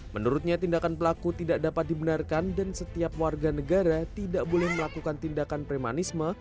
menurutnya tindakan pelaku tidak dapat dibenarkan dan setiap warga negara tidak boleh melakukan tindakan premanisme